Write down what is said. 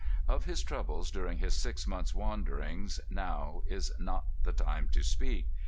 Of his troubles during his six months' wanderings now is not the time to speak.